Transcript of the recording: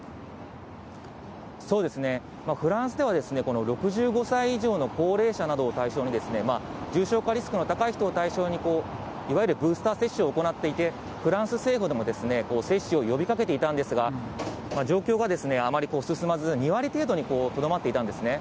そうですね、フランスではこの６５歳以上の高齢者などを対象に、重症化リスクの高い人を対象に、いわゆるブースター接種を行っていて、フランス政府でも接種を呼びかけていたんですが、状況があまり進まず、２割程度にとどまっていたんですね。